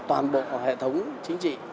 toàn bộ hệ thống chính trị